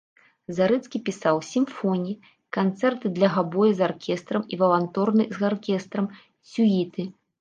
Зарыцкі пісаў сімфоніі, канцэрты для габоя з аркестрам і валторны з аркестрам, сюіты.